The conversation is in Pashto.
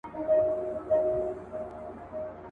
هر څوک باید د پوهې رڼا خپره کړي.